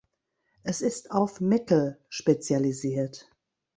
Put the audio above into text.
Es ist auf Metal spezialisiert.